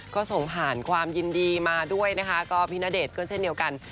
ก็ส่งผ่านความยินดีมาด้วยนะคะก็พี่ณเดชน์ก็เช่นเดียวกัน